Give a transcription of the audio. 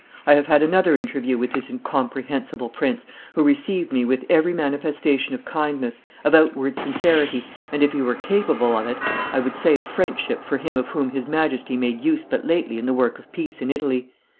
I have had another interview with this incomprehensible prince, who received me with every manifestation of kindness, of outward sincerity, and, if he were capable of it, I would say of friendship for him of whom his Majesty made use but lately in the work of peace in Italy.